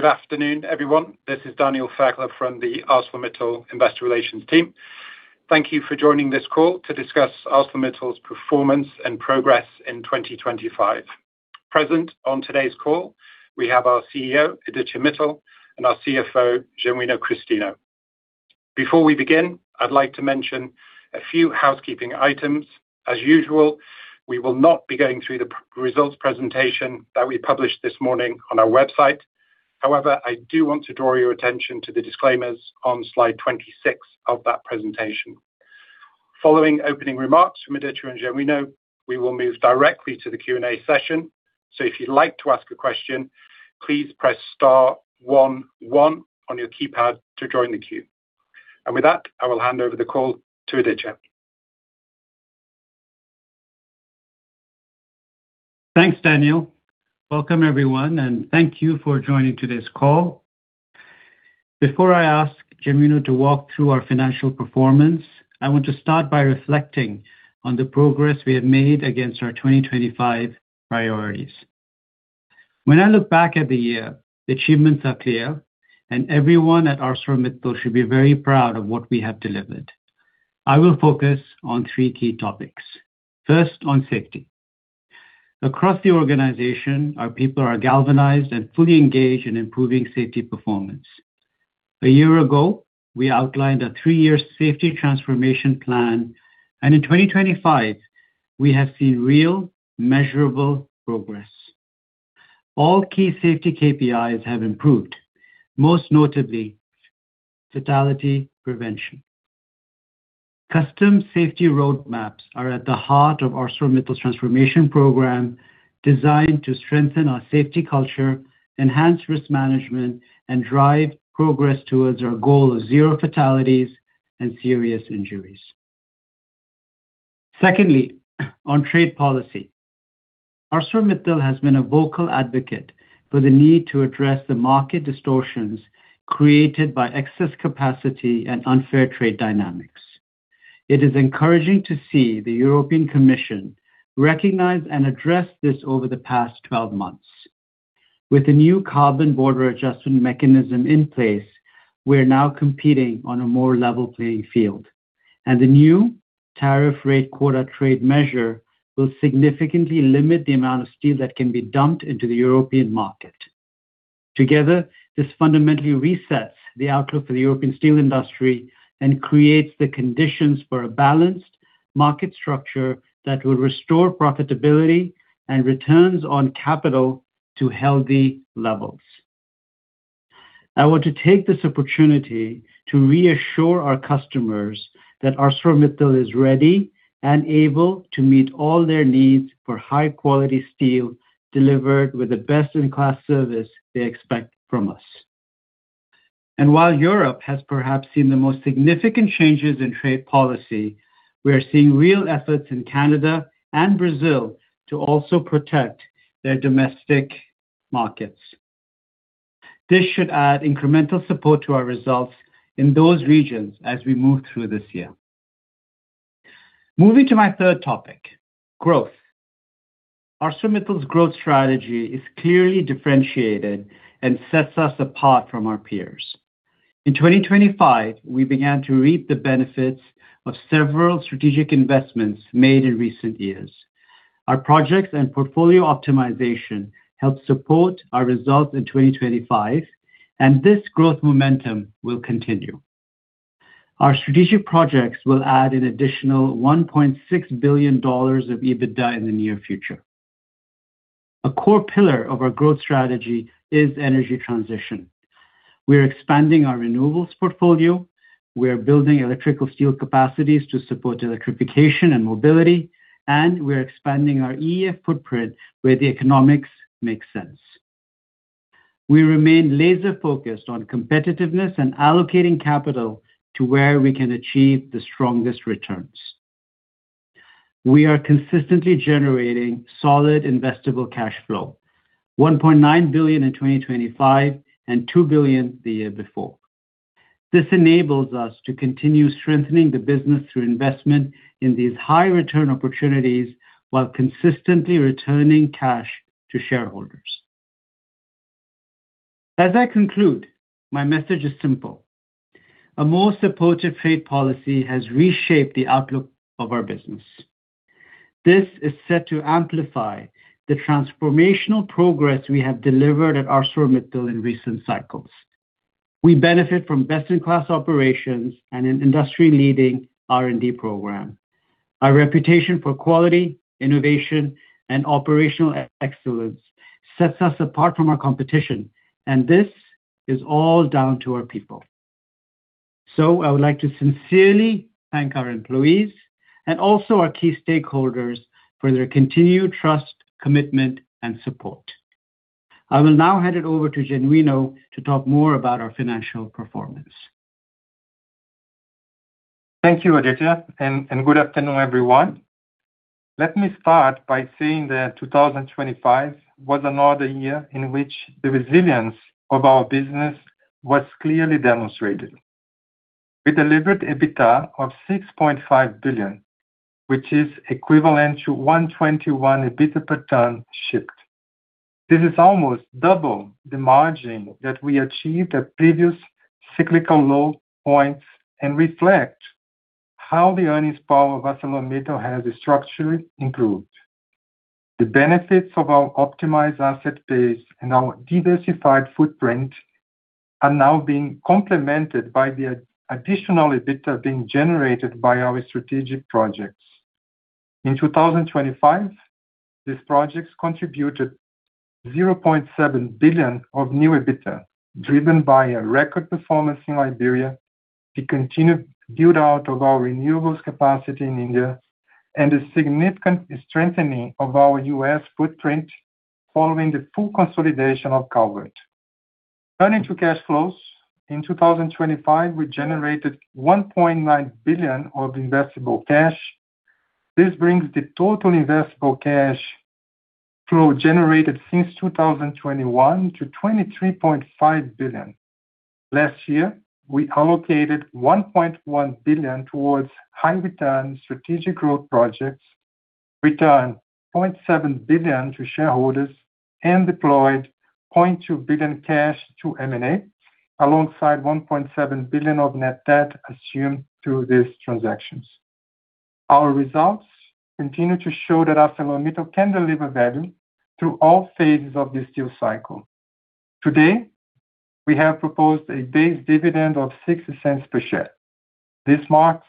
Good afternoon, everyone. This is Daniel Fairclough from the ArcelorMittal Investor Relations team. Thank you for joining this call to discuss ArcelorMittal's performance and progress in 2025. Present on today's call, we have our CEO, Aditya Mittal, and our CFO, Genuino Christino. Before we begin, I'd like to mention a few housekeeping items. As usual, we will not be going through the pr- results presentation that we published this morning on our website. However, I do want to draw your attention to the disclaimers on slide 26 of that presentation. Following opening remarks from Aditya and Genuino, we will move directly to the Q&A session. So if you'd like to ask a question, please press star one one on your keypad to join the queue. And with that, I will hand over the call to Aditya. Thanks, Daniel. Welcome, everyone, and thank you for joining today's call. Before I ask Genuino to walk through our financial performance, I want to start by reflecting on the progress we have made against our 2025 priorities. When I look back at the year, the achievements are clear, and everyone at ArcelorMittal should be very proud of what we have delivered. I will focus on three key topics. First, on safety. Across the organization, our people are galvanized and fully engaged in improving safety performance. A year ago, we outlined a three-year safety transformation plan, and in 2025, we have seen real, measurable progress. All key safety KPIs have improved, most notably fatality prevention. Custom safety roadmaps are at the heart of ArcelorMittal's transformation program, designed to strengthen our safety culture, enhance risk management, and drive progress towards our goal of zero fatalities and serious injuries. Secondly, on trade policy. ArcelorMittal has been a vocal advocate for the need to address the market distortions created by excess capacity and unfair trade dynamics. It is encouraging to see the European Commission recognize and address this over the past 12 months. With the new Carbon Border Adjustment Mechanism in place, we are now competing on a more level playing field, and the new tariff rate quota trade measure will significantly limit the amount of steel that can be dumped into the European market. Together, this fundamentally resets the outlook for the European steel industry and creates the conditions for a balanced market structure that will restore profitability and returns on capital to healthy levels. I want to take this opportunity to reassure our customers that ArcelorMittal is ready and able to meet all their needs for high-quality steel, delivered with the best-in-class service they expect from us. And while Europe has perhaps seen the most significant changes in trade policy, we are seeing real efforts in Canada and Brazil to also protect their domestic markets. This should add incremental support to our results in those regions as we move through this year. Moving to my third topic, growth. ArcelorMittal's growth strategy is clearly differentiated and sets us apart from our peers. In 2025, we began to reap the benefits of several strategic investments made in recent years. Our projects and portfolio optimization helped support our results in 2025, and this growth momentum will continue. Our strategic projects will add an additional $1.6 billion of EBITDA in the near future. A core pillar of our growth strategy is energy transition. We are expanding our renewables portfolio, we are building electrical steel capacities to support electrification and mobility, and we are expanding our EF footprint where the economics make sense. We remain laser-focused on competitiveness and allocating capital to where we can achieve the strongest returns. We are consistently generating solid investable cash flow, $1.9 billion in 2025, and $2 billion the year before. This enables us to continue strengthening the business through investment in these high-return opportunities while consistently returning cash to shareholders. As I conclude, my message is simple: A more supportive trade policy has reshaped the outlook of our business. This is set to amplify the transformational progress we have delivered at ArcelorMittal in recent cycles. We benefit from best-in-class operations and an industry-leading R&D program. Our reputation for quality, innovation, and operational excellence sets us apart from our competition, and this is all down to our people. I would like to sincerely thank our employees and also our key stakeholders for their continued trust, commitment, and support. I will now hand it over to Genuino to talk more about our financial performance. Thank you, Aditya, and good afternoon, everyone. Let me start by saying that 2025 was another year in which the resilience of our business was clearly demonstrated. We delivered EBITDA of $6.5 billion, which is equivalent to $121 EBITDA per ton shipped. This is almost double the margin that we achieved at previous cyclical low points and reflects how the earnings power of ArcelorMittal has structurally improved. The benefits of our optimized asset base and our diversified footprint are now being complemented by the additional EBITDA being generated by our strategic projects. In 2025, these projects contributed $0.7 billion of new EBITDA, driven by a record performance in Liberia, the continued build-out of our renewables capacity in India, and a significant strengthening of our U.S. footprint following the full consolidation of Calvert. Turning to cash flows, in 2025, we generated $1.9 billion of investable cash. This brings the total investable cash flow generated since 2021 to $23.5 billion. Last year, we allocated $1.1 billion towards high return strategic growth projects, returned $0.7 billion to shareholders, and deployed $0.2 billion cash to M&A, alongside $1.7 billion of net debt assumed through these transactions. Our results continue to show that ArcelorMittal can deliver value through all phases of the steel cycle. Today, we have proposed a base dividend of $0.60 per share. This marks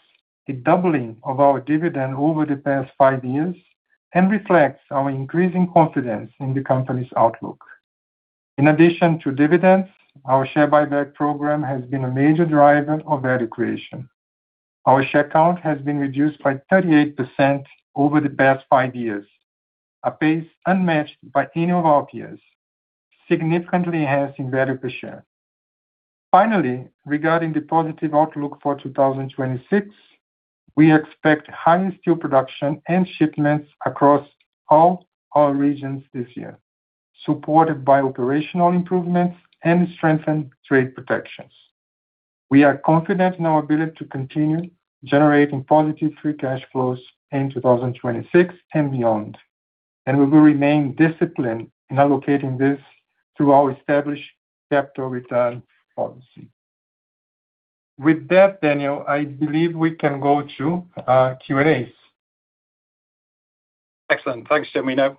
a doubling of our dividend over the past five years and reflects our increasing confidence in the company's outlook. In addition to dividends, our share buyback program has been a major driver of value creation. Our share count has been reduced by 38% over the past five years, a pace unmatched by any of our peers, significantly enhancing value per share. Finally, regarding the positive outlook for 2026, we expect higher steel production and shipments across all our regions this year, supported by operational improvements and strengthened trade protections. We are confident in our ability to continue generating positive free cash flows in 2026 and beyond, and we will remain disciplined in allocating this through our established capital return policy. With that, Daniel, I believe we can go to Q&As. Excellent. Thanks, Genuino.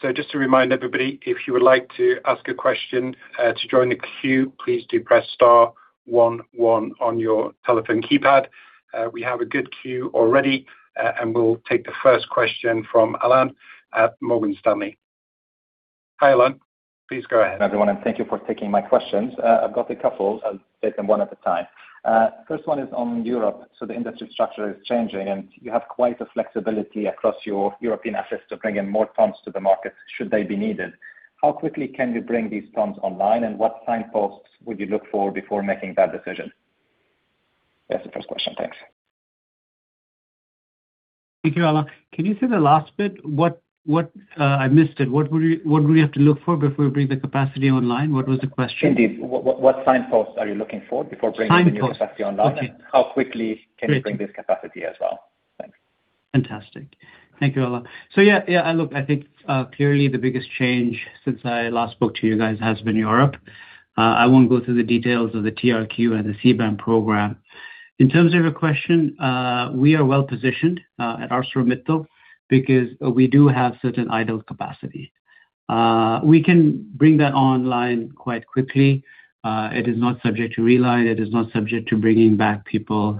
So just to remind everybody, if you would like to ask a question, to join the queue, please do press star one one on your telephone keypad. We have a good queue already, and we'll take the first question from Alain at Morgan Stanley. Hi, Alain, please go ahead. Everyone, and thank you for taking my questions. I've got a couple. I'll take them one at a time. First one is on Europe. The industry structure is changing, and you have quite a flexibility across your European assets to bring in more tons to the market, should they be needed. How quickly can you bring these tons online, and what signposts would you look for before making that decision? That's the first question. Thanks. Thank you, Alain. Can you say the last bit? What, what, I missed it. What do we have to look for before we bring the capacity online? What was the question? Indeed. What signposts are you looking for before bringing- Signposts. The new capacity online? Okay. How quickly can you bring this capacity as well? Thanks. Fantastic. Thank you, Alain. So yeah, yeah, and look, I think, clearly the biggest change since I last spoke to you guys has been Europe. I won't go through the details of the TRQ and the CBAM program. In terms of your question, we are well positioned at ArcelorMittal because we do have certain idle capacity. We can bring that online quite quickly. It is not subject to reline, it is not subject to bringing back people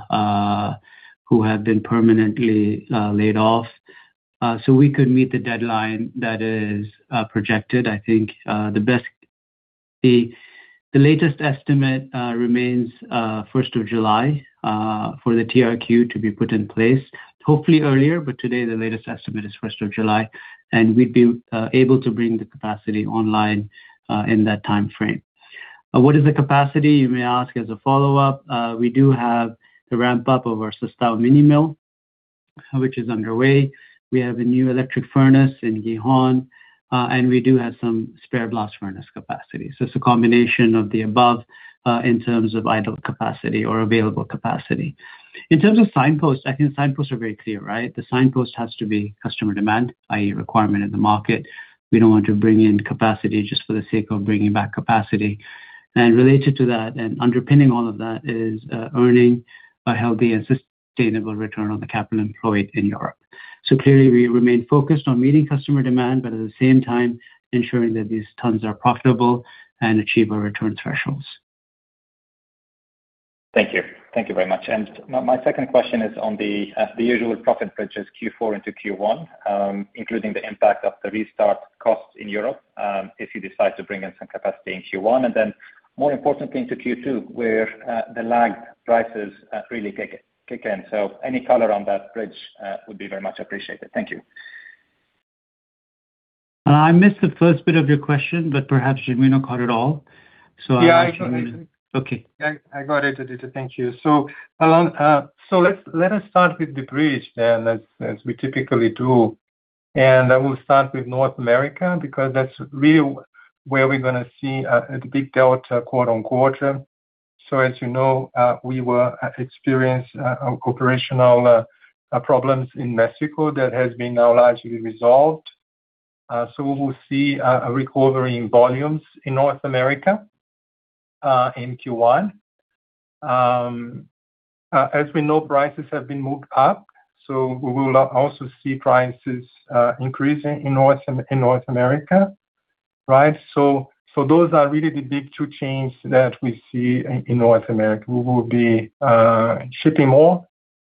who have been permanently laid off. So we could meet the deadline that is projected. I think, the latest estimate remains first of July for the TRQ to be put in place. Hopefully earlier, but today, the latest estimate is first of July, and we'd be able to bring the capacity online in that time frame. What is the capacity, you may ask as a follow-up? We do have the ramp-up of our Sestao mini mill, which is underway. We have a new electric furnace in Gijón, and we do have some spare blast furnace capacity. So it's a combination of the above in terms of idle capacity or available capacity. In terms of signposts, I think signposts are very clear, right? The signpost has to be customer demand, i.e., requirement in the market. We don't want to bring in capacity just for the sake of bringing back capacity. And related to that, and underpinning all of that is earning a healthy and sustainable return on the capital employed in Europe. Clearly, we remain focused on meeting customer demand, but at the same time ensuring that these tons are profitable and achieve our return thresholds. Thank you. Thank you very much. My second question is on the usual profit bridges Q4 into Q1, including the impact of the restart costs in Europe, if you decide to bring in some capacity in Q1, and then more importantly, to Q2, where the lag prices really kick in. So any color on that bridge would be very much appreciated. Thank you. I missed the first bit of your question, but perhaps Genuino caught it all. So Yeah, I got it. Okay. I got it, Aditya, thank you. So, Alain, so let's let us start with the bridge then, as we typically do. And I will start with North America, because that's really where we're gonna see a big delta quarter-on-quarter. So as you know, we experienced operational problems in Mexico that has now been largely resolved. So we will see a recovery in volumes in North America in Q1. As we know, prices have been moved up, so we will also see prices increasing in North America, right? So those are really the big two changes that we see in North America. We will be shipping more,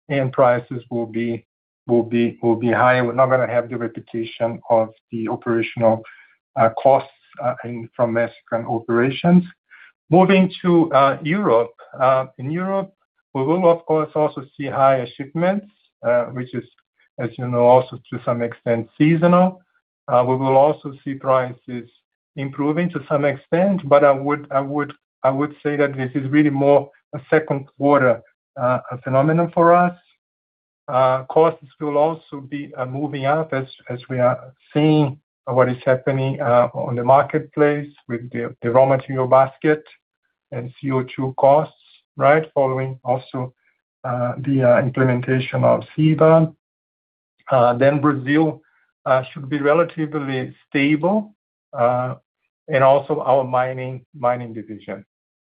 and prices will be higher. We're not gonna have the repetition of the operational costs in from Mexican operations. Moving to Europe. In Europe, we will, of course, also see higher shipments, which is, as you know, also to some extent, seasonal. We will also see prices improving to some extent, but I would, I would, I would say that this is really more a second quarter phenomenon for us. Costs will also be moving up as we are seeing what is happening on the marketplace with the raw material basket and CO2 costs, right? Following also the implementation of CBAM. Then Brazil should be relatively stable, and also our mining division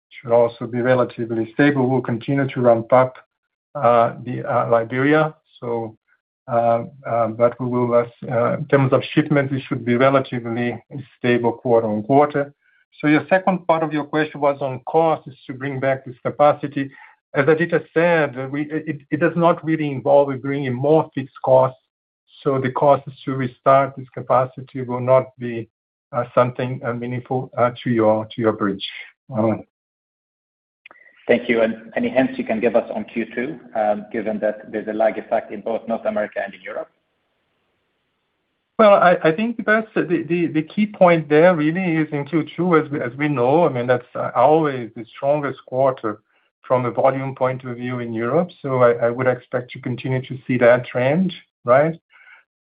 should also be relatively stable. We'll continue to ramp up the Liberia. But we will, in terms of shipments, be relatively stable quarter-on-quarter. Your second part of your question was on costs to bring back this capacity. As Aditya said, it does not really involve bringing more fixed costs, so the costs to restart this capacity will not be something meaningful to your bridge. Thank you. Any hints you can give us on Q2, given that there's a lag effect in both North America and in Europe? Well, I think that's the key point there really is in Q2, as we know, I mean, that's always the strongest quarter from a volume point of view in Europe. So I would expect to continue to see that trend, right?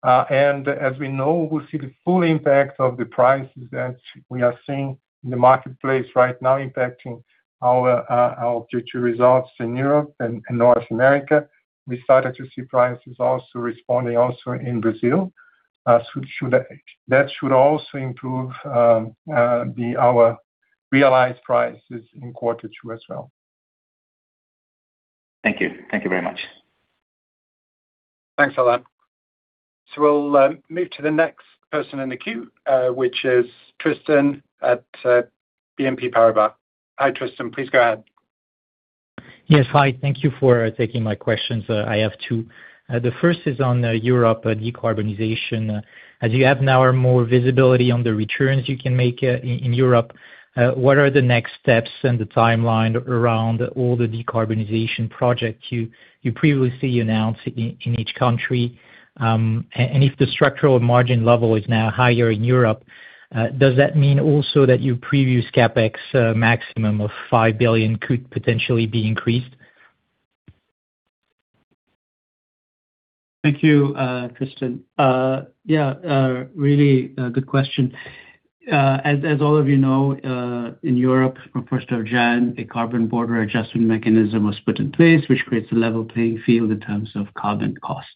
And as we know, we'll see the full impact of the prices that we are seeing in the marketplace right now impacting our Q2 results in Europe and North America. We started to see prices also responding also in Brazil, so that should also improve our realized prices in quarter two as well. Thank you. Thank you very much. Thanks, Alain. So we'll move to the next person in the queue, which is Tristan at BNP Paribas. Hi, Tristan, please go ahead. Yes. Hi, thank you for taking my questions. I have two. The first is on Europe decarbonization. As you have now more visibility on the returns you can make in Europe, what are the next steps and the timeline around all the decarbonization projects you previously announced in each country? And if the structural margin level is now higher in Europe, does that mean also that your previous CapEx maximum of $5 billion could potentially be increased? Thank you, Tristan. Yeah, a really good question. As all of you know, in Europe, from first of January, a Carbon Border Adjustment Mechanism was put in place, which creates a level playing field in terms of carbon costs.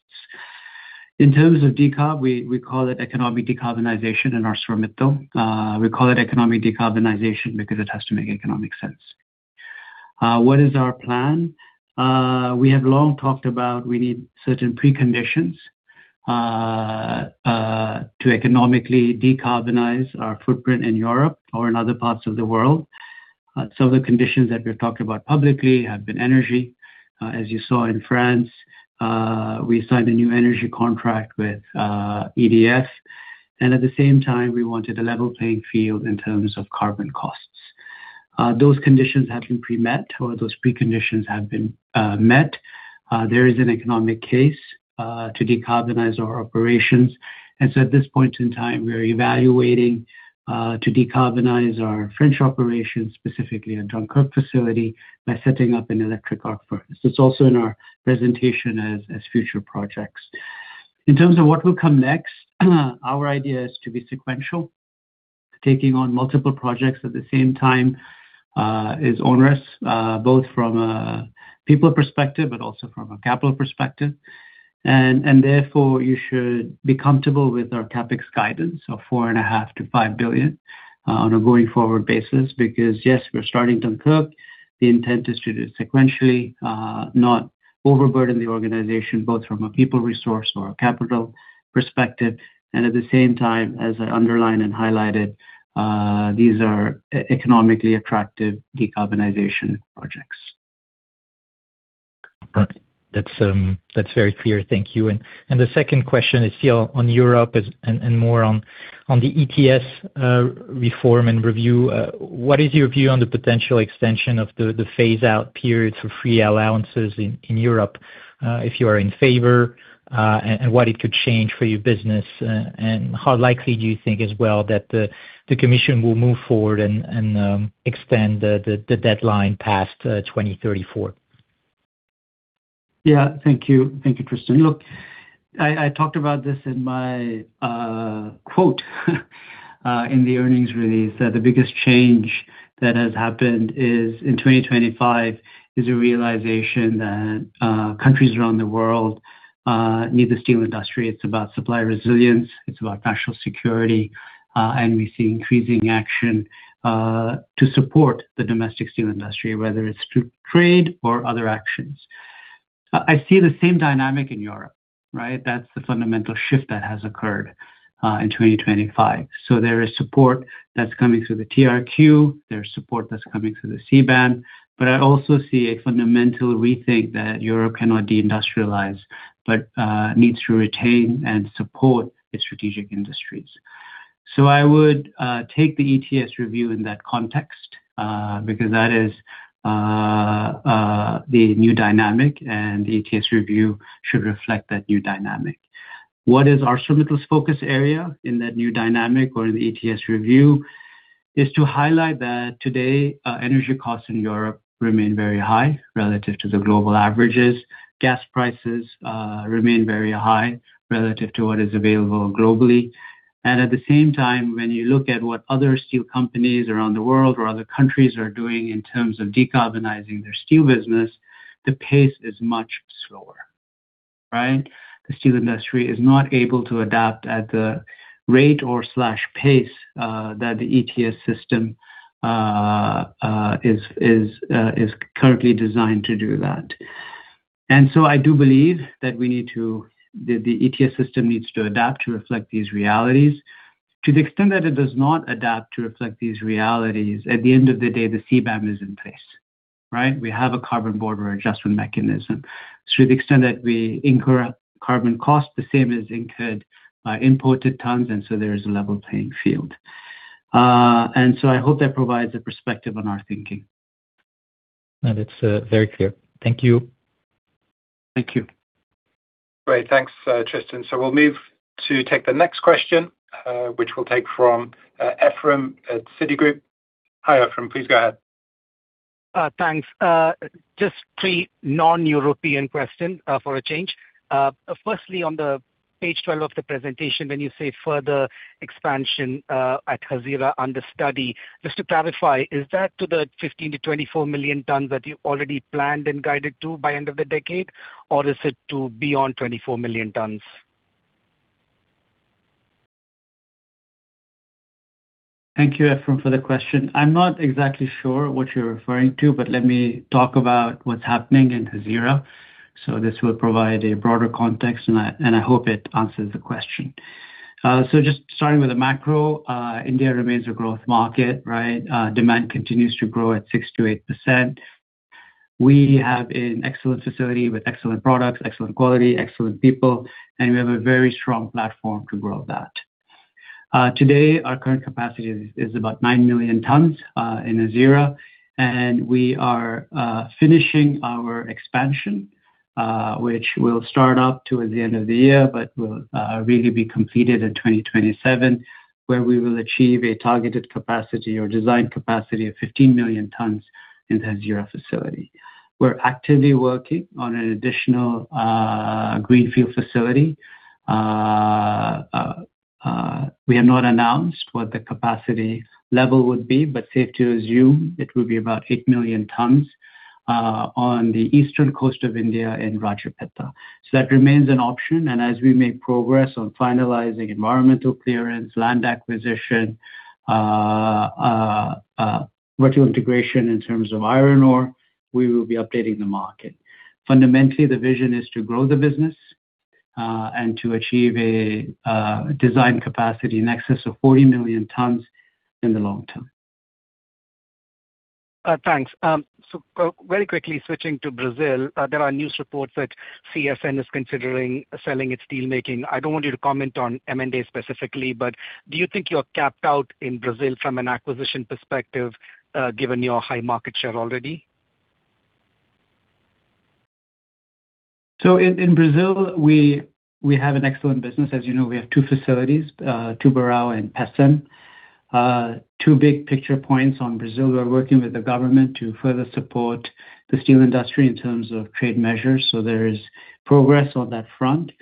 In terms of decarb, we call it economic decarbonization in ArcelorMittal. We call it economic decarbonization because it has to make economic sense. What is our plan? We have long talked about we need certain preconditions to economically decarbonize our footprint in Europe or in other parts of the world. So the conditions that we've talked about publicly have been energy. As you saw in France, we signed a new energy contract with EDF, and at the same time, we wanted a level playing field in terms of carbon costs. Those conditions have been pre-met or those preconditions have been met. There is an economic case to decarbonize our operations, and so at this point in time, we are evaluating to decarbonize our French operations, specifically our Dunkirk facility, by setting up an electric arc furnace. It's also in our presentation as future projects. In terms of what will come next, our idea is to be sequential. Taking on multiple projects at the same time is onerous both from a people perspective, but also from a capital perspective. And therefore, you should be comfortable with our CapEx guidance of $4.5 billion-$5 billion on a going-forward basis. Because, yes, we're starting Dunkirk. The intent is to do it sequentially, not overburden the organization, both from a people resource or a capital perspective. At the same time, as I underlined and highlighted, these are economically attractive decarbonization projects. Right. That's, that's very clear. Thank you. And the second question is still on Europe, and more on the ETS reform and review. What is your view on the potential extension of the phase out periods for free allowances in Europe, if you are in favor, and what it could change for your business? And how likely do you think as well, that the commission will move forward and extend the deadline past 2034? Yeah, thank you. Thank you, Tristan. Look, I talked about this in my, quote, in the earnings release, that the biggest change that has happened is in 2025 is a realization that countries around the world need the steel industry. It's about supply resilience, it's about national security, and we see increasing action to support the domestic steel industry, whether it's through trade or other actions. I see the same dynamic in Europe, right? That's the fundamental shift that has occurred in 2025. So there is support that's coming through the TRQ, there's support that's coming through the CBAM, but I also see a fundamental rethink that Europe cannot deindustrialize, but needs to retain and support its strategic industries. So I would take the ETS review in that context, because that is the new dynamic, and the ETS review should reflect that new dynamic. What is ArcelorMittal's focus area in that new dynamic or in the ETS review, is to highlight that today, energy costs in Europe remain very high relative to the global averages. Gas prices remain very high relative to what is available globally. And at the same time, when you look at what other steel companies around the world or other countries are doing in terms of decarbonizing their steel business, the pace is much slower, right? The steel industry is not able to adapt at the rate or slash pace that the ETS system is currently designed to do that. And so I do believe that we need to that the ETS system needs to adapt to reflect these realities. To the extent that it does not adapt to reflect these realities, at the end of the day, the CBAM is in place, right? We have a Carbon Border Adjustment Mechanism. So to the extent that we incur a carbon cost, the same is incurred by imported tons, and so there is a level playing field. And so I hope that provides a perspective on our thinking. That is, very clear. Thank you. Thank you. Great. Thanks, Tristan. So we'll move to take the next question, which we'll take from Ephrem at Citigroup. Hi, Ephrem. Please go ahead. Thanks. Just three non-European question, for a change. Firstly, on page 12 of the presentation, when you say further expansion at Hazira under study, just to clarify, is that to the 15-24 million tons that you already planned and guided to by end of the decade, or is it to beyond 24 million tons? Thank you, Ephrem, for the question. I'm not exactly sure what you're referring to, but let me talk about what's happening in Hazira. So this will provide a broader context, and I hope it answers the question. So just starting with the macro, India remains a growth market, right? Demand continues to grow at 6%-8%. We have an excellent facility with excellent products, excellent quality, excellent people, and we have a very strong platform to grow that. Today, our current capacity is about 9 million tons in Hazira, and we are finishing our expansion, which will start up towards the end of the year, but will really be completed in 2027, where we will achieve a targeted capacity or design capacity of 15 million tons in the Hazira facility. We're actively working on an additional greenfield facility. We have not announced what the capacity level would be, but safe to assume it will be about eight million tons on the eastern coast of India in Rajayyapeta. So that remains an option, and as we make progress on finalizing environmental clearance, land acquisition, virtual integration in terms of iron ore, we will be updating the market. Fundamentally, the vision is to grow the business, and to achieve a design capacity in excess of 40 million tons in the long term. Thanks. So, very quickly switching to Brazil, there are news reports that CSN is considering selling its steelmaking. I don't want you to comment on M&A specifically, but do you think you're capped out in Brazil from an acquisition perspective, given your high market share already? So in Brazil, we have an excellent business. As you know, we have two facilities, Tubarão and Pecém. Two big picture points on Brazil. We're working with the government to further support the steel industry in terms of trade measures, so there is progress on that front.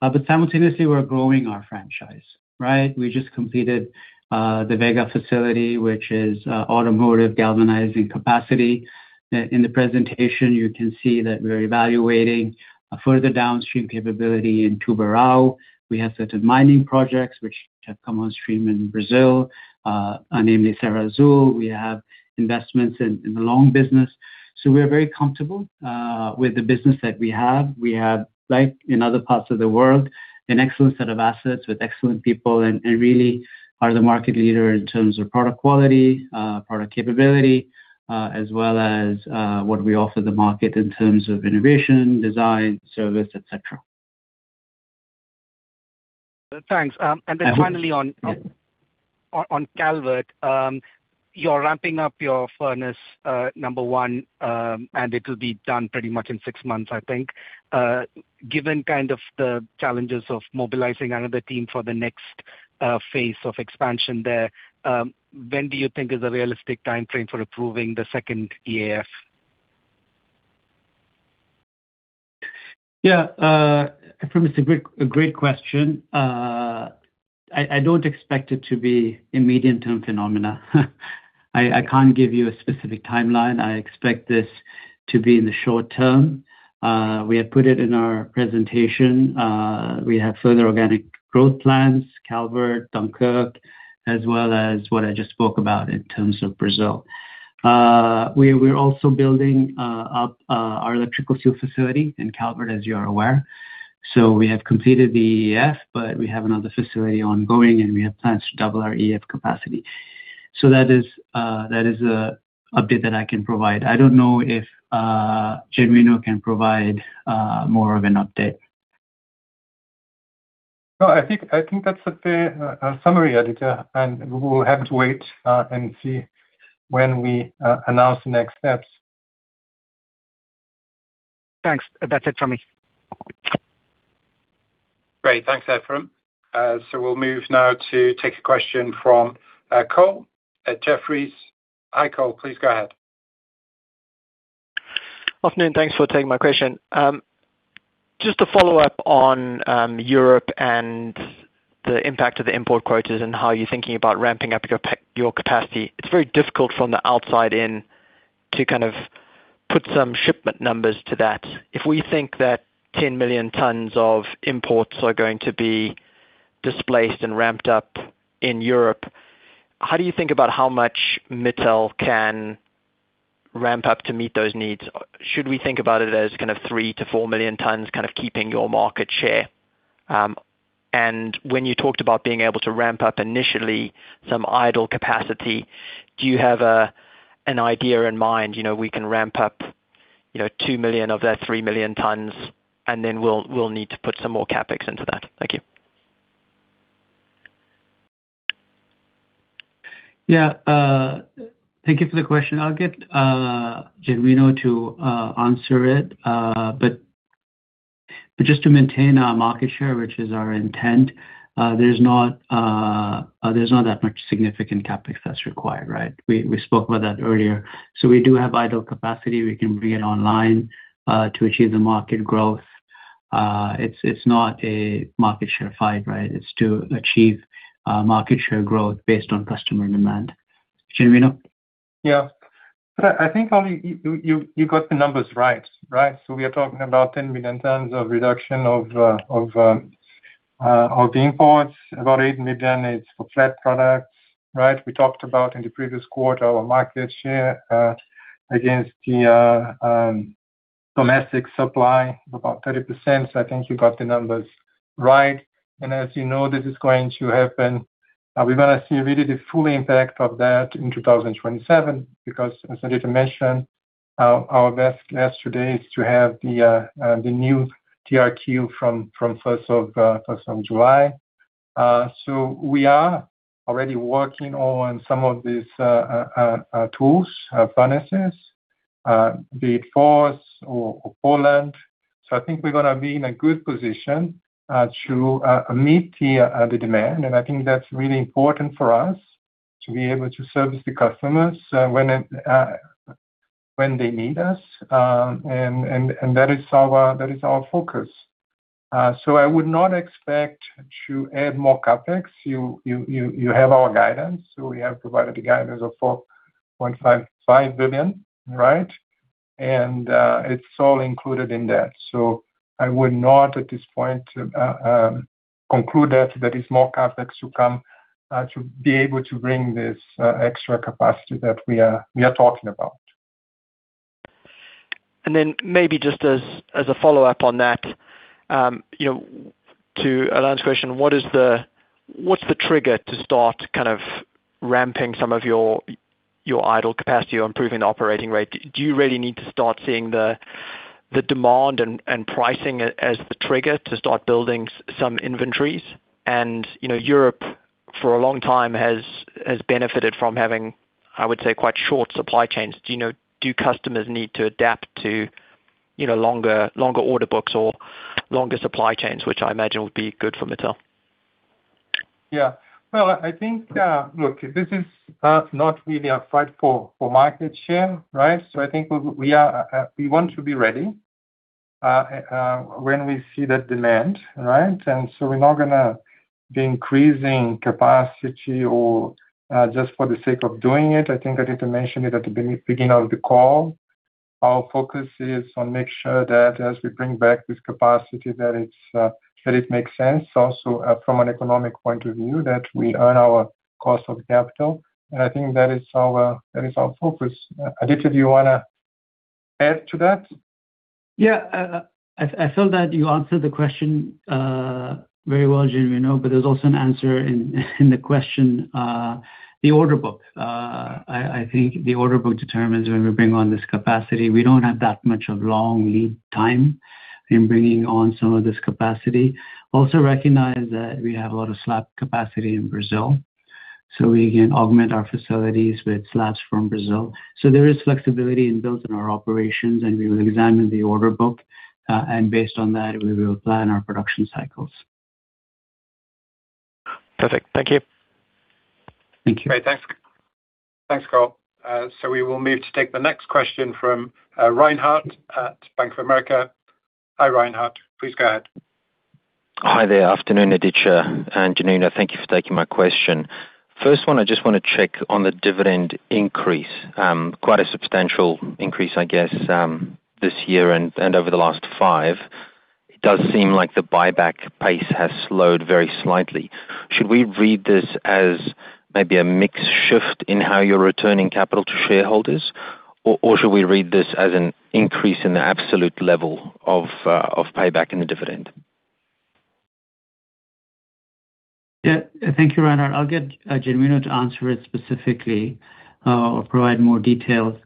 But simultaneously, we're growing our franchise, right? We just completed the Vega facility, which is automotive galvanizing capacity. In the presentation, you can see that we're evaluating a further downstream capability in Tubarão. We have a set of mining projects which have come on stream in Brazil, namely Serra Azul. We have investments in the long business. So we are very comfortable with the business that we have. We have, like in other parts of the world, an excellent set of assets with excellent people and really are the market leader in terms of product quality, product capability, as well as what we offer the market in terms of innovation, design, service, et cetera. Thanks. And then finally- Yeah. On Calvert, you're ramping up your furnace number one, and it will be done pretty much in six months, I think. Given kind of the challenges of mobilizing another team for the next phase of expansion there. When do you think is a realistic timeframe for approving the second EAF? Yeah, it's a great, a great question. I don't expect it to be immediate term phenomena. I can't give you a specific timeline. I expect this to be in the short term. We have put it in our presentation. We have further organic growth plans, Calvert, Dunkirk, as well as what I just spoke about in terms of Brazil. We're also building up our electrical steel facility in Calvert, as you are aware. So we have completed the EF, but we have another facility ongoing, and we have plans to double our EAF capacity. So that is an update that I can provide. I don't know if Genuino can provide more of an update. No, I think, I think that's a fair summary, Aditya, and we will have to wait and see when we announce the next steps. Thanks. That's it for me. Great. Thanks, Ephrem. So we'll move now to take a question from Cole at Jefferies. Hi, Cole, please go ahead. Afternoon. Thanks for taking my question. Just to follow up on Europe and the impact of the import quotas, and how you're thinking about ramping up your your capacity. It's very difficult from the outside in to kind of put some shipment numbers to that. If we think that 10 million tons of imports are going to be displaced and ramped up in Europe, how do you think about how much Mittal can ramp up to meet those needs? Should we think about it as kind of three-four million tons, kind of, keeping your market share? When you talked about being able to ramp up initially some idle capacity, do you have an idea in mind, you know, we can ramp up, you know, two million of that three million tons, and then we'll need to put some more CapEx into that? Thank you. Yeah, thank you for the question. I'll get Genuino to answer it. But just to maintain our market share, which is our intent, there's not that much significant CapEx that's required, right? We spoke about that earlier. So we do have idle capacity. We can bring it online to achieve the market growth. It's not a market share fight, right? It's to achieve market share growth based on customer demand. Genuino? Yeah. I think only you got the numbers right, right? So we are talking about 10 million tons of reduction of the imports. About eight million is for flat products, right? We talked about in the previous quarter, our market share against the domestic supply, about 30%. So I think you got the numbers right. And as you know, this is going to happen, we're gonna see really the full impact of that in 2027, because as Aditya mentioned, our best guess today is to have the new TRQ from first of July. So we are already working on some of these mills, furnaces, be it France or Poland. So I think we're gonna be in a good position to meet the demand. And I think that's really important for us to be able to service the customers when they need us. And that is our focus. So I would not expect to add more CapEx. You have our guidance, so we have provided the guidance of $4.5-$5 billion, right? And it's all included in that. So I would not, at this point, conclude that is more CapEx to come to be able to bring this extra capacity that we are talking about. And then maybe just as a follow-up on that, you know, to Alan's question, what's the trigger to start kind of ramping some of your idle capacity on improving the operating rate? Do you really need to start seeing the demand and pricing as the trigger to start building some inventories? And, you know, Europe for a long time has benefited from having, I would say, quite short supply chains. Do you know, do customers need to adapt to, you know, longer order books or longer supply chains, which I imagine would be good for Mittal? Yeah. Well, I think, look, this is not really a fight for market share, right? So I think we want to be ready when we see that demand, right? And so we're not gonna be increasing capacity or just for the sake of doing it. I think I need to mention it at the beginning of the call, our focus is on make sure that as we bring back this capacity, that it makes sense also from an economic point of view, that we earn our cost of capital. And I think that is our focus. Aditya, do you wanna add to that? Yeah. I feel that you answered the question very well, Genuino, but there's also an answer in the question, the order book. I think the order book determines when we bring on this capacity. We don't have that much of long lead time in bringing on some of this capacity. Also recognize that we have a lot of slack capacity in Brazil. So we can augment our facilities with slabs from Brazil. So there is flexibility built in our operations, and we will examine the order book, and based on that, we will plan our production cycles. Perfect. Thank you. Thank you. Great! Thanks. Thanks, Carl. So we will move to take the next question from Reinhardt at Bank of America. Hi, Reinhardt, please go ahead. Hi there. Afternoon, Aditya and Genuino. Thank you for taking my question. First one, I just wanna check on the dividend increase. Quite a substantial increase, I guess, this year and, and over the last five. It does seem like the buyback pace has slowed very slightly. Should we read this as maybe a mixed shift in how you're returning capital to shareholders? Or, or should we read this as an increase in the absolute level of, uh, of payback in the dividend? Yeah. Thank you, Reinhardt. I'll get Genuino to answer it specifically or provide more details.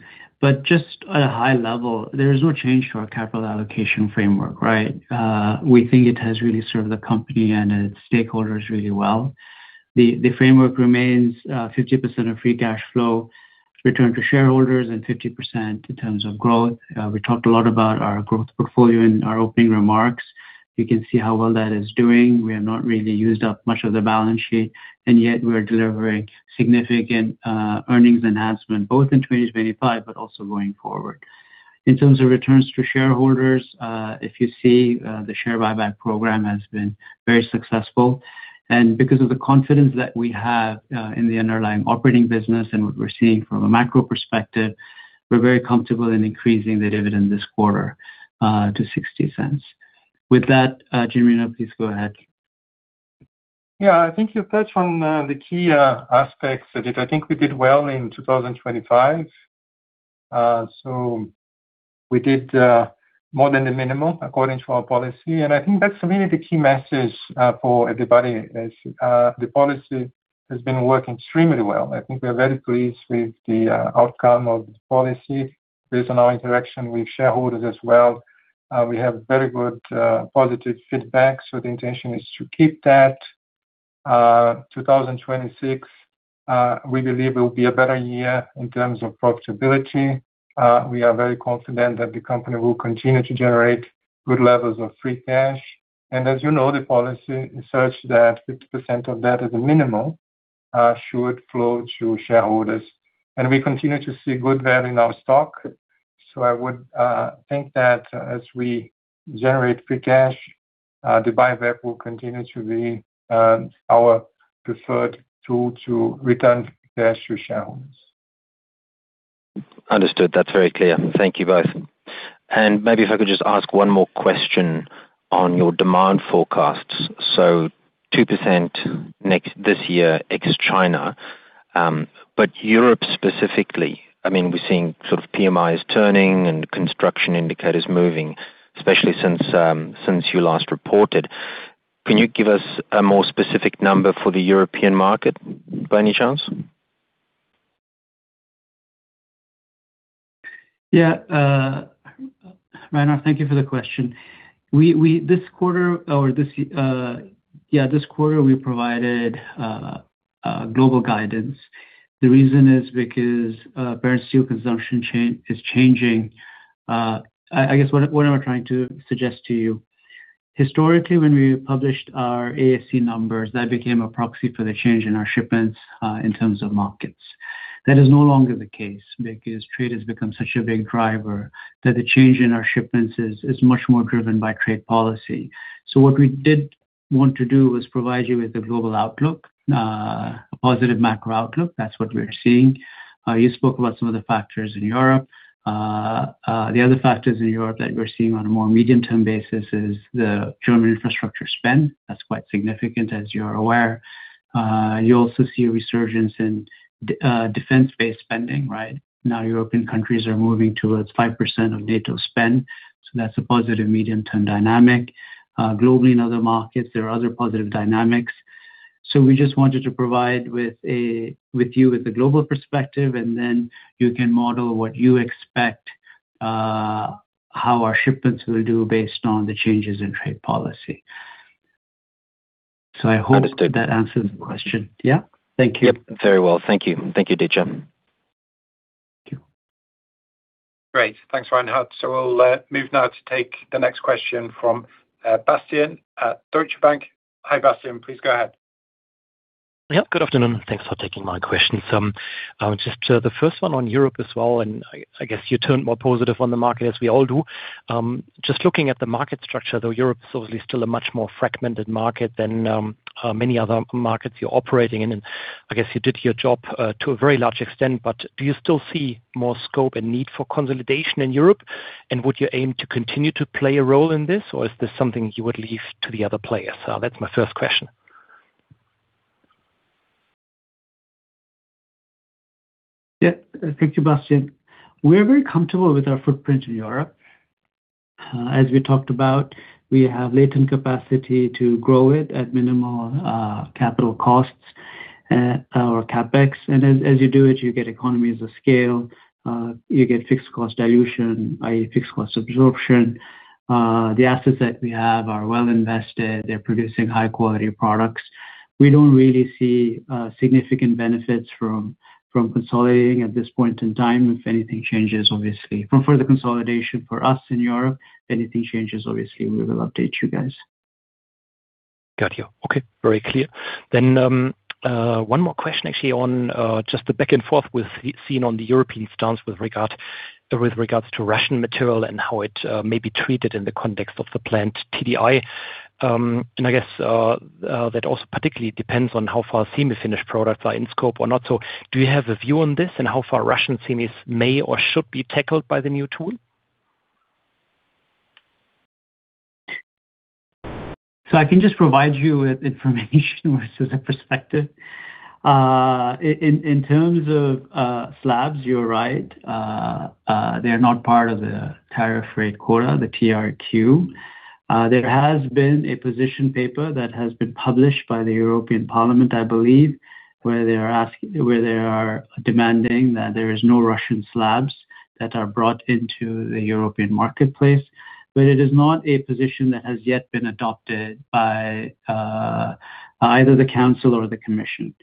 But just at a high level, there is no change to our capital allocation framework, right? We think it has really served the company and its stakeholders really well. The framework remains 50% of free cash flow return to shareholders and 50% in terms of growth. We talked a lot about our growth portfolio in our opening remarks. You can see how well that is doing. We have not really used up much of the balance sheet, and yet we are delivering significant earnings enhancement, both in 2025, but also going forward. In terms of returns to shareholders, if you see, the share buyback program has been very successful. Because of the confidence that we have in the underlying operating business and what we're seeing from a macro perspective, we're very comfortable in increasing the dividend this quarter to $0.60. With that, Genuino, please go ahead. Yeah, I think you touched on the key aspects of it. I think we did well in 2025. So we did more than the minimum, according to our policy, and I think that's really the key message for everybody is the policy has been working extremely well. I think we're very pleased with the outcome of the policy based on our interaction with shareholders as well. We have very good positive feedback, so the intention is to keep that. 2026, we believe will be a better year in terms of profitability. We are very confident that the company will continue to generate good levels of free cash. And as you know, the policy is such that 50% of that is a minimum should flow to shareholders. We continue to see good value in our stock, so I would think that as we generate free cash, the buyback will continue to be our preferred tool to return cash to shareholders. Understood. That's very clear. Thank you both. And maybe if I could just ask one more question on your demand forecasts. So 2% this year, ex China, but Europe specifically, I mean, we're seeing sort of PMIs turning and construction indicators moving, especially since you last reported. Can you give us a more specific number for the European market, by any chance? Yeah, Reinhardt, thank you for the question. This quarter, we provided global guidance. The reason is because bare steel consumption is changing. I guess what am I trying to suggest to you? Historically, when we published our ASC numbers, that became a proxy for the change in our shipments in terms of markets. That is no longer the case because trade has become such a big driver, that the change in our shipments is much more driven by trade policy. So what we did want to do was provide you with the global outlook, a positive macro outlook. That's what we're seeing. You spoke about some of the factors in Europe. The other factors in Europe that we're seeing on a more medium-term basis is the German infrastructure spend. That's quite significant, as you are aware. You also see a resurgence in defense-based spending, right? Now, European countries are moving towards 5% of NATO spend, so that's a positive medium-term dynamic. Globally, in other markets, there are other positive dynamics. So we just wanted to provide you with a global perspective, and then you can model what you expect, how our shipments will do based on the changes in trade policy. Understood. I hope that answers the question. Yeah? Thank you. Yep, very well. Thank you. Thank you, Aditya. Thank you. Great. Thanks, Reinhardt. So we'll move now to take the next question from Bastian at Deutsche Bank. Hi, Bastian, please go ahead. Yeah, good afternoon. Thanks for taking my questions. Just the first one on Europe as well, and I guess you turned more positive on the market, as we all do. Just looking at the market structure, though, Europe is obviously still a much more fragmented market than many other markets you're operating in, and I guess you did your job to a very large extent, but do you still see more scope and need for consolidation in Europe? And would you aim to continue to play a role in this, or is this something you would leave to the other players? That's my first question. Yeah. Thank you, Bastian. We are very comfortable with our footprint in Europe. As we talked about, we have latent capacity to grow it at minimal capital costs or CapEx. And as you do it, you get economies of scale. You get fixed cost dilution, i.e., fixed cost absorption. The assets that we have are well invested. They're producing high quality products. We don't really see significant benefits from consolidating at this point in time. If anything changes, obviously, from further consolidation for us in Europe, if anything changes, obviously we will update you guys. Got you. Okay, very clear. Then, one more question actually on just the back and forth we've seen on the European stance with regard, with regards to Russian material and how it may be treated in the context of the planned TDI. And I guess that also particularly depends on how far semi-finished products are in scope or not. So do you have a view on this, and how far Russian semis may or should be tackled by the new tool? So I can just provide you with information versus a perspective. In terms of slabs, you're right. They're not part of the Tariff-Rate Quota, the TRQ. There has been a position paper that has been published by the European Parliament, I believe, where they are asking where they are demanding that there is no Russian slabs that are brought into the European marketplace, but it is not a position that has yet been adopted by either the council or the commission.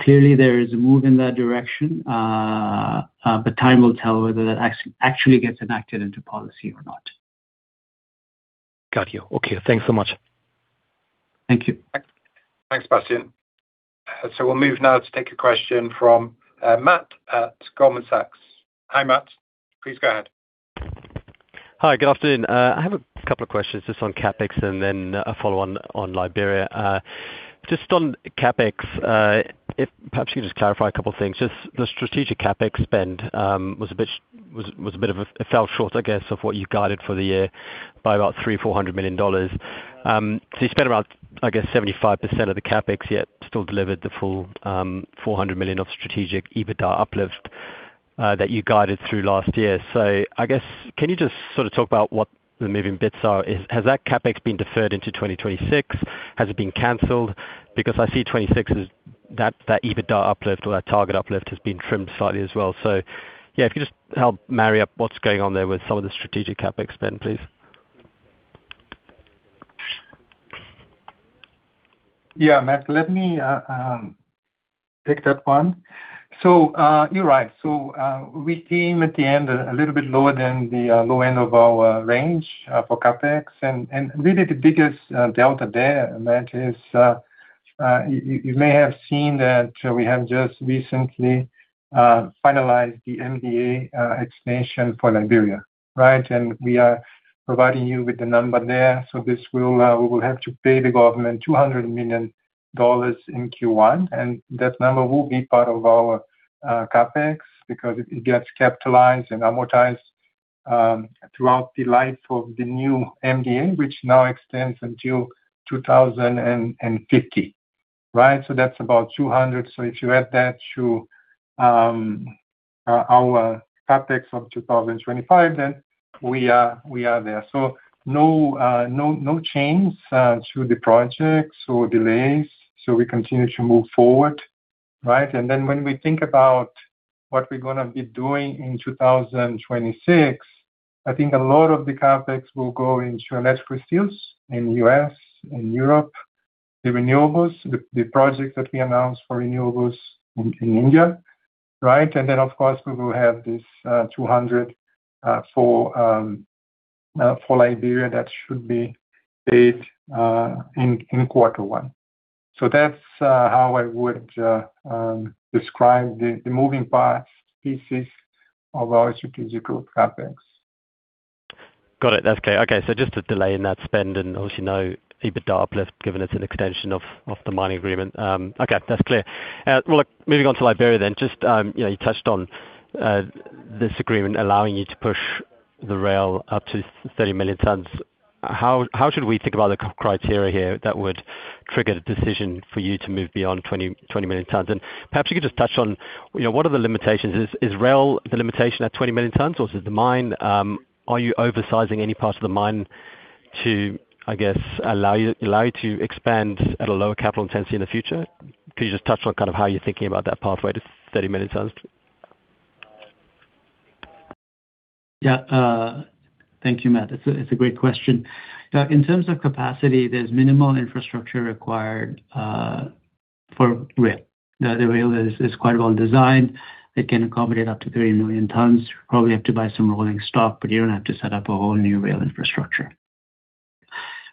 Clearly, there is a move in that direction. But time will tell whether that actually gets enacted into policy or not. Got you. Okay, thanks so much. Thank you. Thanks, Bastian. So we'll move now to take a question from, Matt at Goldman Sachs. Hi, Matt, please go ahead. Hi, good afternoon. I have a couple of questions just on CapEx and then a follow on, on Liberia. Just on CapEx, if perhaps you can just clarify a couple of things. Just the strategic CapEx spend was a bit of a it fell short, I guess, of what you guided for the year by about $300 million-$400 million. So you spent around, I guess, 75% of the CapEx, yet still delivered the full, $400 million of strategic EBITDA uplift, that you guided through last year. So I guess, can you just sort of talk about what the moving bits are? Has that CapEx been deferred into 2026? Has it been canceled? Because I see 2026 as that, that EBITDA uplift or that target uplift has been trimmed slightly as well. So yeah, if you could just help marry up what's going on there with some of the strategic CapEx spend, please. Yeah, Matt, let me take that one. So, you're right. So, we came at the end a little bit lower than the low end of our range for CapEx. And really the biggest delta there, Matt, is you may have seen that we have just recently finalized the MDA extension for Liberia, right? And we are providing you with the number there. So we will have to pay the government $200 million in Q1, and that number will be part of our CapEx, because it gets capitalized and amortized throughout the life of the new MDA, which now extends until 2050, right? So that's about $200 million. So if you add that to our CapEx of 2025, then we are, we are there. So no, no change to the projects or delays. So we continue to move forward, right? And then when we think about what we're gonna be doing in 2026, I think a lot of the CapEx will go into electric steels in U.S. and Europe, the renewables, the projects that we announced for renewables in India, right? And then, of course, we will have this $200 million for Liberia that should be paid in quarter one. So that's how I would describe the moving parts, pieces of our strategic group CapEx. Got it. That's okay. Okay, so just a delay in that spend and obviously no EBITDA uplift, given it's an extension of, of the mining agreement. Okay, that's clear. Well, look, moving on to Liberia then. Just, you know, you touched on, this agreement, allowing you to push the rail up to 30 million tons. How, how should we think about the criteria here that would trigger the decision for you to move beyond 20, 20 million tons? And perhaps you could just touch on, you know, what are the limitations? Is, is rail the limitation at 20 million tons or is it the mine? Are you oversizing any parts of the mine to, I guess, allow you, allow you to expand at a lower capital intensity in the future? Could you just touch on kind of how you're thinking about that pathway to 30 million tons? Yeah, thank you, Matt. It's a great question. In terms of capacity, there's minimal infrastructure required for rail. The rail is quite well designed. It can accommodate up to 30 million tons. Probably have to buy some rolling stock, but you don't have to set up a whole new rail infrastructure.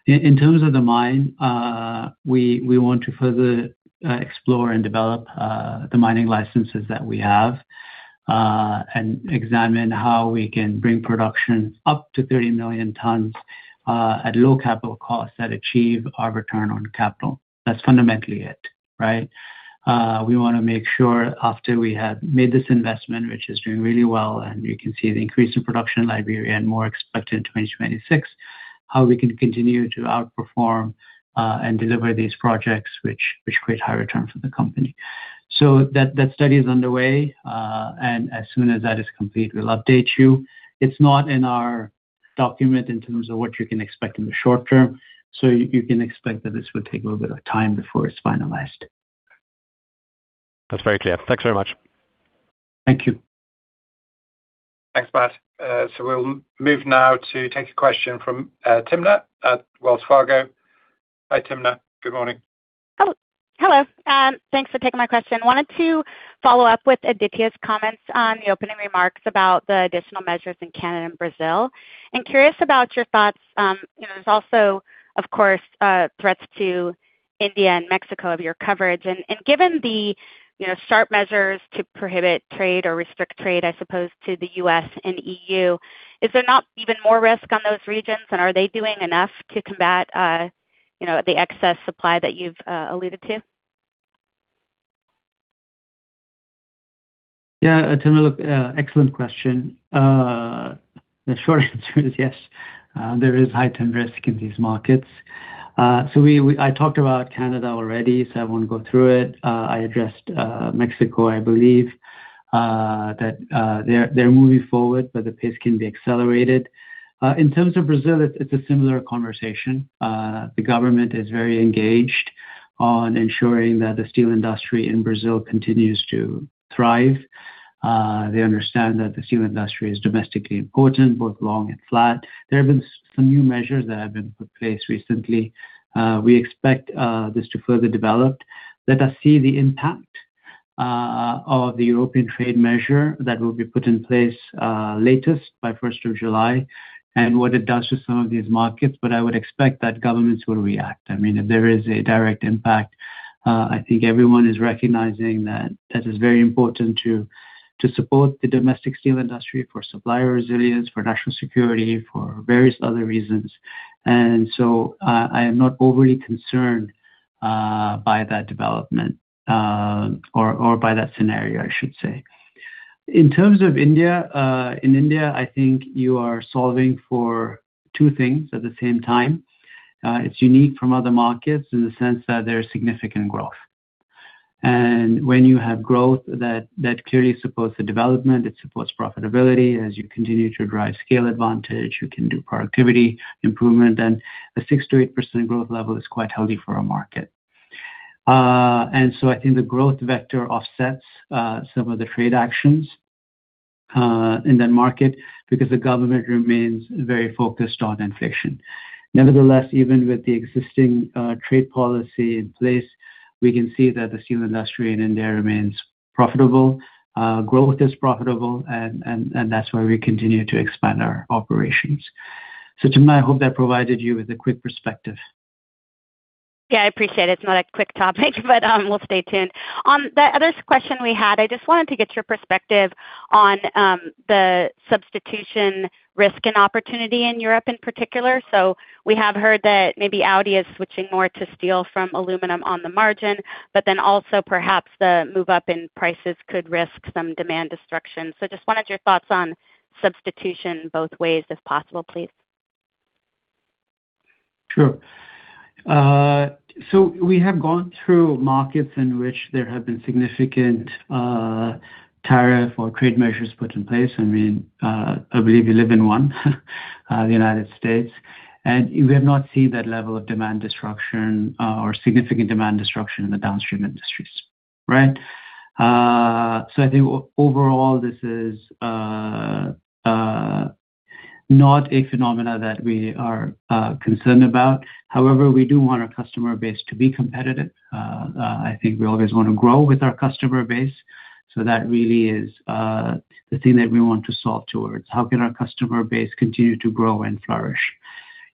In terms of the mine, we want to further explore and develop the mining licenses that we have, and examine how we can bring production up to 30 million tons at low capital costs that achieve our return on capital. That's fundamentally it, right? We wanna make sure after we have made this investment, which is doing really well, and we can see the increase in production in Liberia and more expected in 2026, how we can continue to outperform and deliver these projects, which create higher returns for the company. So that study is underway, and as soon as that is complete, we'll update you. It's not in our document in terms of what you can expect in the short term, so you can expect that this will take a little bit of time before it's finalized. That's very clear. Thanks very much. Thank you. Thanks, Matt. So we'll move now to take a question from Timna at Wells Fargo. Hi, Timna. Good morning. Oh, hello. Thanks for taking my question. Wanted to follow up with Aditya's comments on the opening remarks about the additional measures in Canada and Brazil, and curious about your thoughts. You know, there's also, of course, threats to India and Mexico of your coverage. And, and given the, you know, sharp measures to prohibit trade or restrict trade, I suppose, to the U.S. and E.U., is there not even more risk on those regions? And are they doing enough to combat, you know, the excess supply that you've alluded to? Yeah, Timna, excellent question. The short answer is yes. There is heightened risk in these markets. So I talked about Canada already, so I won't go through it. I addressed Mexico, I believe, that they're moving forward, but the pace can be accelerated. In terms of Brazil, it's a similar conversation. The government is very engaged on ensuring that the steel industry in Brazil continues to thrive. They understand that the steel industry is domestically important, both long and flat. There have been some new measures that have been put in place recently. We expect this to further develop. Let us see the impact of the European trade measure that will be put in place, latest by first of July, and what it does to some of these markets, but I would expect that governments will react. I mean, if there is a direct impact, I think everyone is recognizing that that is very important to support the domestic steel industry for supplier resilience, for national security, for various other reasons. And so, I am not overly concerned by that development, or by that scenario, I should say. In terms of India, in India, I think you are solving for two things at the same time. It's unique from other markets in the sense that there's significant growth. And when you have growth, that clearly supports the development, it supports profitability. As you continue to drive scale advantage, you can do productivity improvement, and a 6%-8% growth level is quite healthy for our market. And so I think the growth vector offsets some of the trade actions in that market, because the government remains very focused on inflation. Nevertheless, even with the existing trade policy in place, we can see that the steel industry in India remains profitable. Growth is profitable, and that's why we continue to expand our operations. So Timna, I hope that provided you with a quick perspective. Yeah, I appreciate it. It's not a quick topic, but we'll stay tuned. On the other question we had, I just wanted to get your perspective on the substitution risk and opportunity in Europe in particular. So we have heard that maybe Audi is switching more to steel from aluminum on the margin, but then also perhaps the move up in prices could risk some demand destruction. So just wanted your thoughts on substitution both ways, if possible, please. Sure. So we have gone through markets in which there have been significant tariff or trade measures put in place. I mean, I believe you live in one, the United States, and we have not seen that level of demand destruction or significant demand destruction in the downstream industries, right? So I think overall, this is not a phenomenon that we are concerned about. However, we do want our customer base to be competitive. I think we always wanna grow with our customer base, so that really is the thing that we want to solve towards. How can our customer base continue to grow and flourish?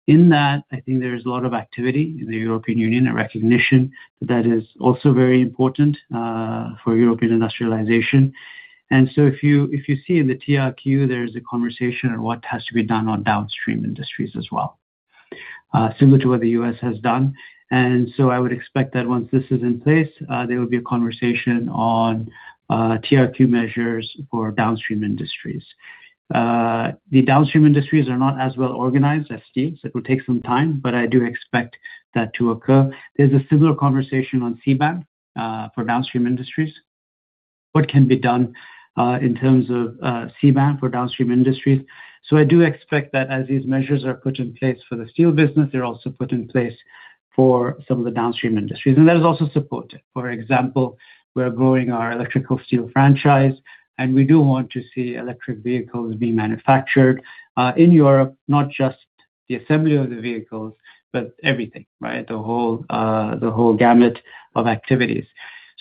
In that, I think there is a lot of activity in the European Union, a recognition that is also very important for European industrialization. And so if you, if you see in the TRQ, there is a conversation on what has to be done on downstream industries as well, similar to what the U.S. has done. And so I would expect that once this is in place, there will be a conversation on TRQ measures for downstream industries. The downstream industries are not as well organized as steel, so it will take some time, but I do expect that to occur. There's a similar conversation on CBAM for downstream industries. What can be done in terms of CBAM for downstream industries? So I do expect that as these measures are put in place for the steel business, they're also put in place for some of the downstream industries. And there is also support. For example, we are growing our Electrical Steel franchise, and we do want to see electric vehicles being manufactured in Europe, not just the assembly of the vehicles, but everything, right? The whole gamut of activities.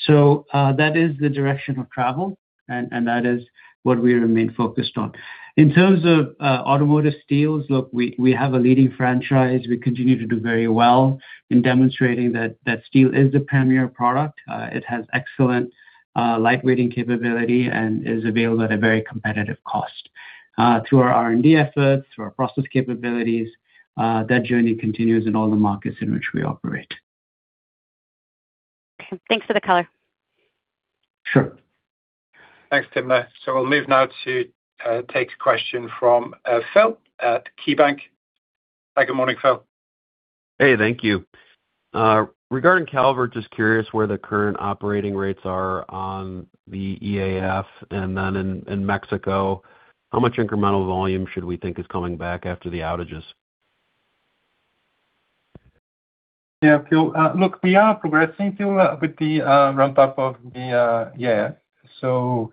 So, that is the direction of travel, and that is what we remain focused on. In terms of automotive steels, look, we have a leading franchise. We continue to do very well in demonstrating that steel is the premier product. It has excellent lightweighting capability and is available at a very competitive cost. Through our R&D efforts, through our process capabilities, that journey continues in all the markets in which we operate. Thanks for the color. Sure. Thanks, Timna. So we'll move now to take a question from Phil at KeyBank. Hi, good morning, Phil. Hey, thank you. Regarding Calvert, just curious where the current operating rates are on the EAF, and then in Mexico, how much incremental volume should we think is coming back after the outages? Yeah, Phil, look, we are progressing, Phil, with the ramp up of the, yeah. So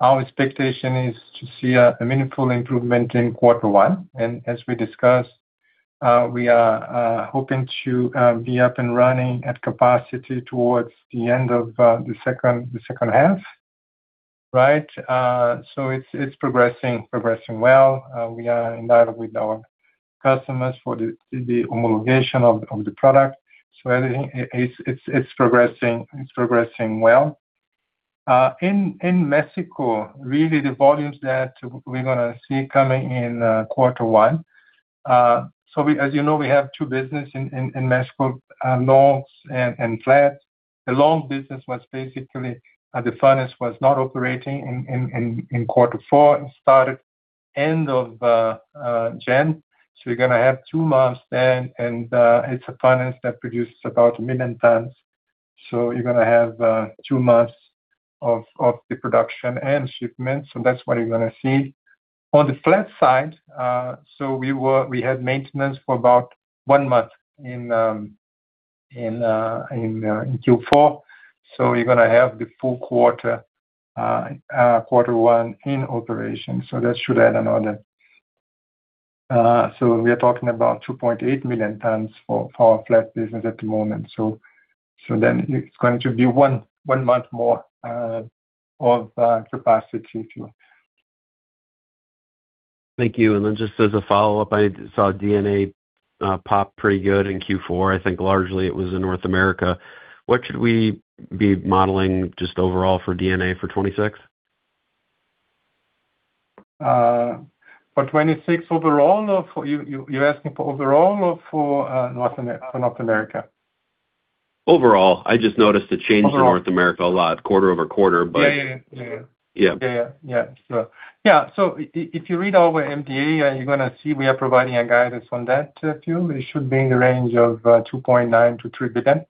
our expectation is to see a meaningful improvement in quarter one. And as we discussed, we are hoping to be up and running at capacity towards the end of the second half, right? So it's progressing well. We are in line with our customers for the homologation of the product. So everything it's progressing well. In Mexico, really the volumes that we're gonna see coming in quarter one. So we, as you know, we have two business in Mexico, longs and flats. The long business was basically the furnace was not operating in quarter four. It started end of Jan. So you're gonna have two months then, and it's a furnace that produces about one million tons. So you're gonna have two months of the production and shipments, so that's what you're gonna see. On the flat side, so we had maintenance for about one month in Q4, so you're gonna have the full quarter, quarter one in operation. So that should add another. So we are talking about 2.8 million tons for our flat business at the moment. So then it's going to be one month more of capacity, Phil. Thank you. And then just as a follow-up, I saw D&A pop pretty good in Q4. I think largely it was in North America. What should we be modeling just overall for D&A for 2026? For 26 overall, or for you, you're asking for overall or for North America? Overall. I just noticed a change- Overall. in North America a lot, quarter-over-quarter, but Yeah, yeah. Yeah, yeah. Yeah. Yeah, yeah. Sure. Yeah, so if you read our MD&A, you're gonna see we are providing a guidance on that to you. It should be in the range of $2.9 billion-$3 billion.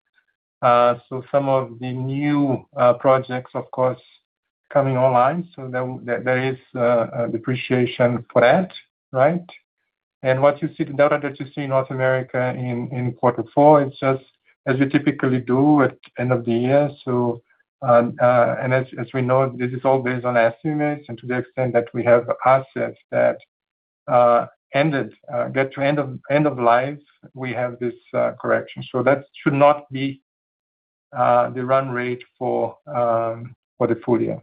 So some of the new projects, of course, coming online, so there is a depreciation for that, right? And what you see, the data that you see in North America in quarter four, it's just as you typically do at end of the year. So, and as we know, this is all based on estimates, and to the extent that we have assets that end, get to end of life, we have this correction. So that should not be the run rate for the full year.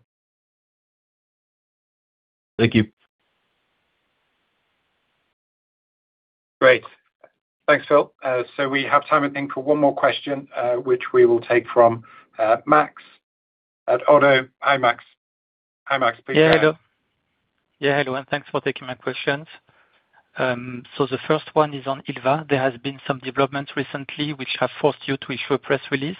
Thank you. Great. Thanks, Phil. So we have time I think for one more question, which we will take from Max at Oddo. Hi, Max. Hi, Max. Yeah, hello. Yeah, hello, and thanks for taking my questions. So the first one is on Ilva. There has been some developments recently which have forced you to issue a press release.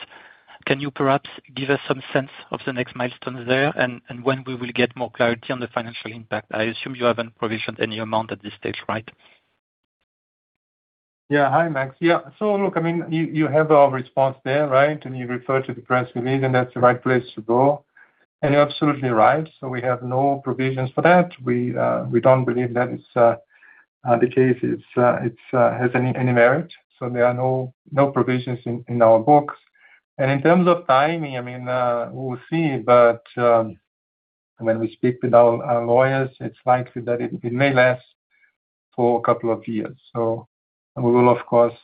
Can you perhaps give us some sense of the next milestone there, and, and when we will get more clarity on the financial impact? I assume you haven't provisioned any amount at this stage, right? Yeah. Hi, Max. Yeah, so look, I mean, you have our response there, right? And you referred to the press release, and that's the right place to go. And you're absolutely right, so we have no provisions for that. We don't believe that it's the case. It has any merit, so there are no provisions in our books. And in terms of timing, I mean, we'll see, but when we speak with our lawyers, it's likely that it may last for a couple of years. So we will, of course,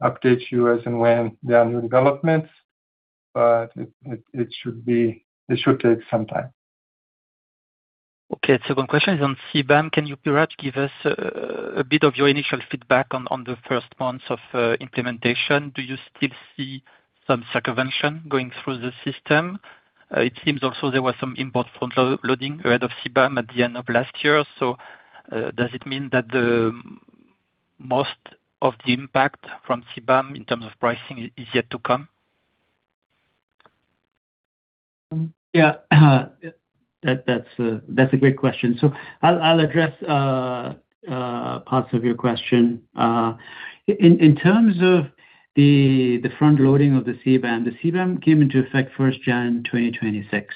update you as and when there are new developments, but it should be - it should take some time. Okay. The second question is on CBAM. Can you perhaps give us a bit of your initial feedback on the first months of implementation? Do you still see some circumvention going through the system? It seems also there was some import front-loading ahead of CBAM at the end of last year. So, does it mean that the most of the impact from CBAM in terms of pricing is yet to come? Yeah, that's a great question. So I'll address parts of your question. In terms of the front loading of the CBAM, the CBAM came into effect 1st January 2026.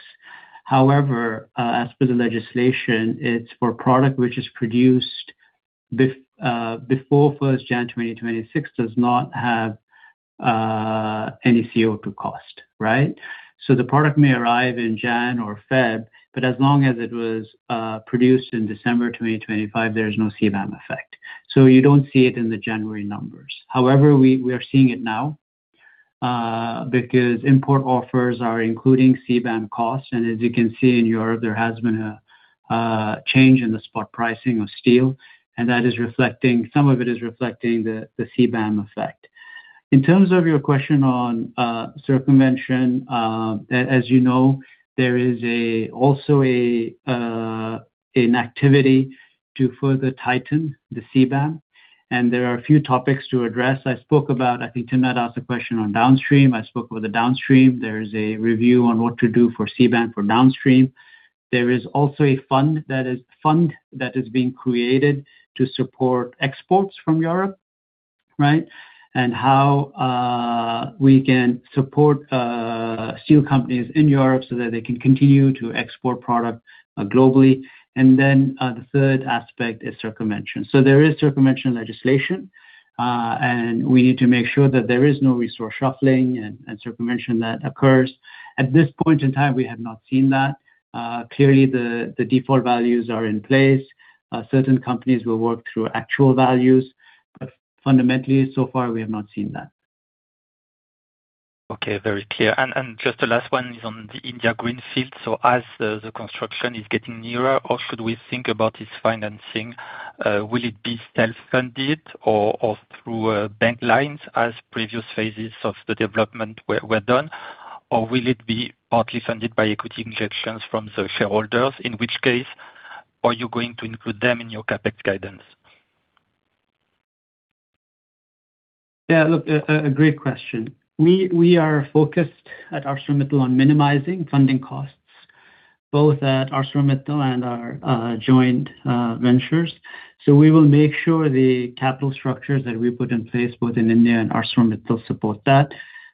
However, as per the legislation, it's for product which is produced before 1st January 2026, does not have any CO2 cost, right? So the product may arrive in January or February, but as long as it was produced in December 2025, there is no CBAM effect. So you don't see it in the January numbers. However, we are seeing it now because import offers are including CBAM costs. And as you can see, in Europe, there has been a change in the spot pricing of steel, and that is reflecting. Some of it is reflecting the CBAM effect. In terms of your question on circumvention, as you know, there is also an activity to further tighten the CBAM, and there are a few topics to address. I spoke about, I think Timna asked a question on downstream. I spoke with the downstream. There is a review on what to do for CBAM for downstream. There is also a fund that is being created to support exports from Europe, right? And how we can support steel companies in Europe so that they can continue to export product globally. And then, the third aspect is circumvention. So there is circumvention legislation, and we need to make sure that there is no resource shuffling and circumvention that occurs. At this point in time, we have not seen that. Clearly, the default values are in place. Certain companies will work through actual values, but fundamentally, so far we have not seen that. Okay, very clear. And just the last one is on the India greenfield. So as the construction is getting nearer, how should we think about this financing? Will it be self-funded or through bank lines as previous phases of the development were done? Or will it be partly funded by equity injections from the shareholders, in which case, are you going to include them in your CapEx guidance? Yeah, look, a great question. We, we are focused at ArcelorMittal on minimizing funding costs, both at ArcelorMittal and our, joint, ventures. So we will make sure the capital structures that we put in place, both in India and ArcelorMittal, support that.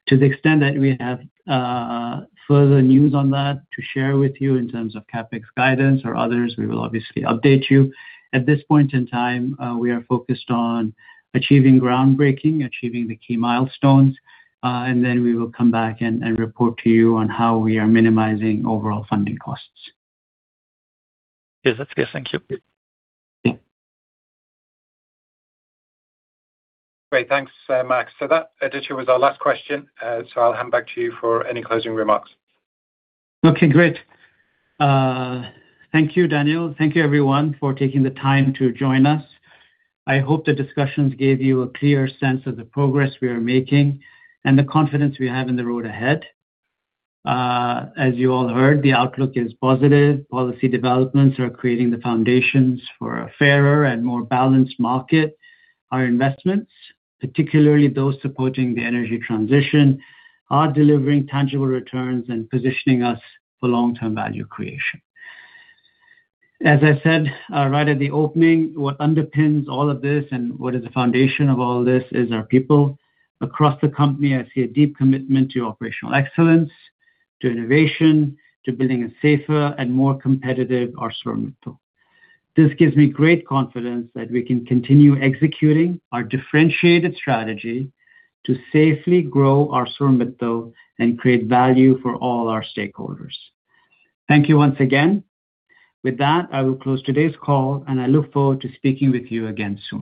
To the extent that we have, further news on that to share with you in terms of CapEx guidance or others, we will obviously update you. At this point in time, we are focused on achieving groundbreaking, achieving the key milestones, and then we will come back and, and report to you on how we are minimizing overall funding costs. Yes, that's clear. Thank you. Great, thanks, Max. So that, Aditya, was our last question, so I'll hand back to you for any closing remarks. Okay, great. Thank you, Daniel. Thank you, everyone, for taking the time to join us. I hope the discussions gave you a clear sense of the progress we are making and the confidence we have in the road ahead. As you all heard, the outlook is positive. Policy developments are creating the foundations for a fairer and more balanced market. Our investments, particularly those supporting the energy transition, are delivering tangible returns and positioning us for long-term value creation. As I said, right at the opening, what underpins all of this and what is the foundation of all this is our people. Across the company, I see a deep commitment to operational excellence, to innovation, to building a safer and more competitive ArcelorMittal. This gives me great confidence that we can continue executing our differentiated strategy to safely grow ArcelorMittal and create value for all our stakeholders. Thank you once again. With that, I will close today's call, and I look forward to speaking with you again soon.